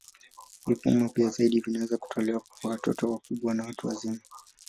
Vipimo vya ziada vinaweza kutolewa kwa watoto wakubwa na watu wazima.